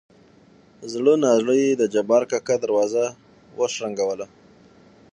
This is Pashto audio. زړه نازړه يې د جبار کاکا دروازه وشرنګه وه.